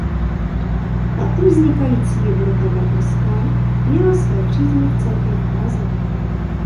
Tato vznikající jednota bratrská měla své příznivce i v Praze.